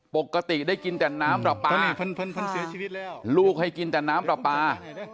ปกติได้กินแต่น้ำต่อปลาลูกให้กินแต่น้ำต่อปลา